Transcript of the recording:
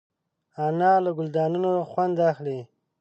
انا له ګلدانونو خوند اخلي